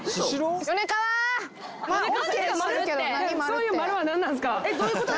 そういう丸は何なんすか？